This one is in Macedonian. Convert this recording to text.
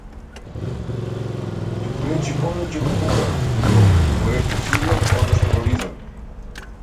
Тукуречи повеќе го пукам, стрико, му рекол Силјан, одошто го ризам.